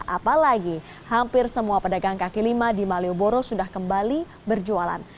apalagi hampir semua pedagang kaki lima di malioboro sudah kembali berjualan